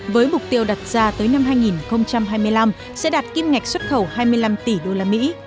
với mục tiêu đặt ra tới năm hai nghìn hai mươi năm sẽ đạt kim ngạch xuất khẩu hai mươi năm tỷ đô la mỹ